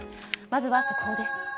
まずは速報です。